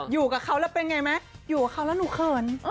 อยู่กับเขาแล้วเป็นไงไหมอยู่กับเขาแล้วหนูเขิน